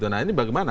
nah ini bagaimana